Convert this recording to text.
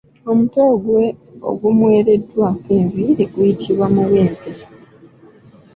Omutwe ogumwereddwako enviiri guyitibwa muwempe.